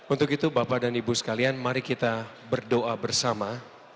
untuk itu bapak dan ibu sekalian mari kita berdoa bersama